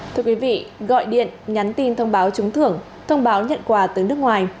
thưa quý vị gọi điện nhắn tin thông báo trúng thưởng thông báo nhận quà tới nước ngoài